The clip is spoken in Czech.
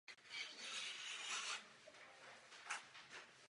Kalich je šedavě plstnatý.